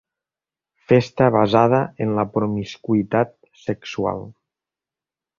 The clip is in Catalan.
Festa basada en la promiscuïtat sexual.